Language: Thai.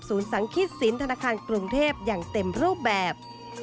สังคิดศิลปธนาคารกรุงเทพอย่างเต็มรูปแบบ